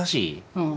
うん。